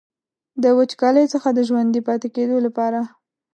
د وچکالۍ څخه د ژوندي پاتې کیدو لپاره.